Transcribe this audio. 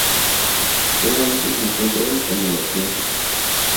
Solamente se encuentra en el Atlántico.